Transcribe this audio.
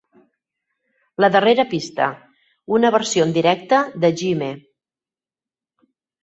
La darrera pista, una versió en directe de Gimme!